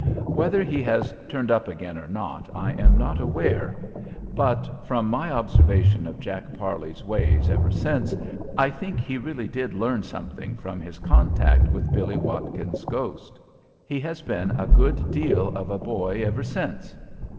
Whether he has turned up again or not, I am not aware, but, from my observation of Jack Parley's ways ever since, I think he really did learn something from his contact with Billie Watkins's ghost. He has been a good deal of a boy ever since.